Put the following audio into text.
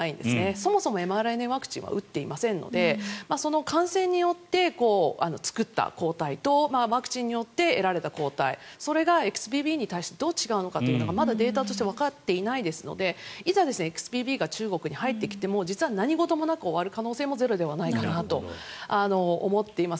そもそもｍＲＮＡワクチンは打っていませんのでその感染によって作った抗体とワクチンによって得られた抗体それがＸＢＢに対してどう違うかというのがまだデータとしてわかっていないのでいざ、ＸＢＢ．１．５が中国に入ってきても実は何事もなく終わる可能性もゼロではないと思っています。